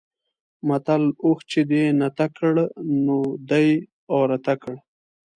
متل: اوښ چې دې نته کړ؛ نو دی عورته کړ.